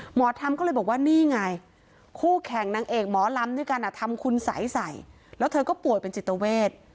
หมอธรรมก็เลยบอกว่านี่ไงคู่แข่งนางเอกหมอลำด้วยกันทำคุณสัยใส่แล้วเธอก็ป่วยเป็นจิตเวท